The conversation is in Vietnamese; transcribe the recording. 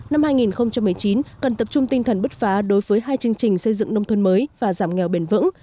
năm hai nghìn một mươi chín cần tập trung tinh thần bứt phá đối với hai chương trình xây dựng nông thôn mới và giảm nghèo bền vững